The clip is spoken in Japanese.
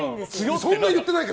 そんな言ってないよ